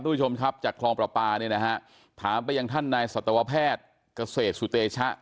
ทุกผู้ชมครับจากคลองประปาเนี่ยนะฮะถามไปยังท่านนายสัตวแพทย์เกษตรสุเตชะ